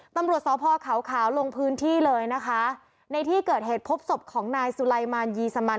ตำรวจสพขาวขาวลงพื้นที่เลยนะคะในที่เกิดเหตุพบศพของนายสุไลมานยีสมัน